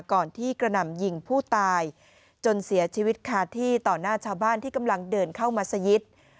ก่อนที่กระหน่ำยิงผู้ตายจนเสียชีวิตคาที่ต่อหน้าชาวบ้านที่กำลังเดินเข้ามาสยิต